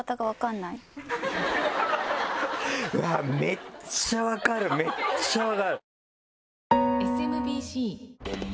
めっちゃ分かるめっちゃ分かる！